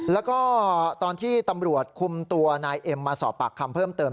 แล้วก็ตอนที่ตำรวจคุมตัวนายเอ็มมาสอบปากคำเพิ่มเติม